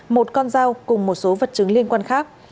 một con dao cùng một số vật chứng liên quan khác